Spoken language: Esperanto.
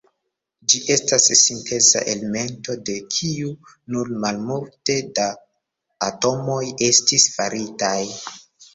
Ĝi estas sinteza elemento, de kiu nur malmulte da atomoj estis faritaj.